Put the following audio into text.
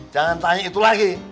jangan tanya itu lagi